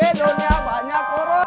di dunia banyak poros